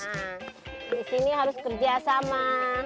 nah di sini harus kerja sama